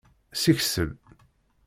Siksel.